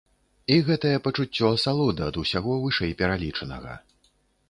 І гэтае пачуццё асалоды ад усяго вышэйпералічанага.